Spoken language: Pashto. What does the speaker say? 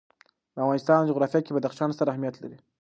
د افغانستان جغرافیه کې بدخشان ستر اهمیت لري.